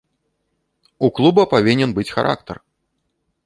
У клуба павінен быць характар.